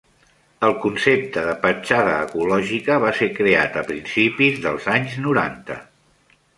El concepte de petjada ecològica va ser creat a principis dels anys noranta.